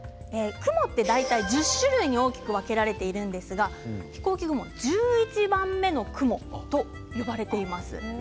雲というのは大体１０種類に大きく分けられているんですが、飛行機雲は１１番目の雲と呼ばれています。